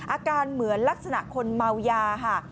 อาการเหมือนลักษณะคนเมายาค่ะ